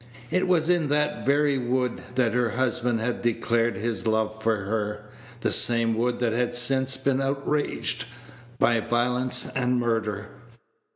It was in that very wood that her husband had declared his love for her; the same wood that had since been outraged by violence and murder.